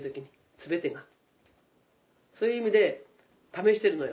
そういう意味で試してるのよ。